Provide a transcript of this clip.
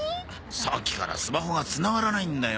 さっきからスマホがつながらないんだよ。